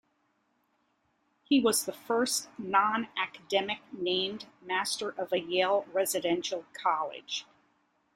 He was the first non-academic named master of a Yale residential college.